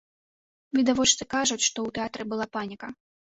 Відавочцы кажуць, што ў тэатры была паніка.